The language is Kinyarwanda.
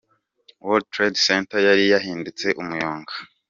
World Trade Center yari yahindutse umuyonga.